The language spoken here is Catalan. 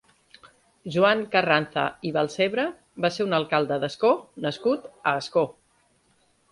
Joan Carranza i Balsebre va ser un alcalde d'Ascó nascut a Ascó.